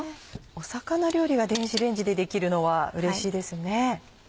魚料理が電子レンジでできるのはうれしいですね。